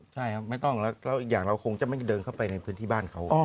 ใช่ครับไม่ต้องแล้วอีกอย่างเราคงจะไม่เดินเข้าไปในพื้นที่บ้านเขา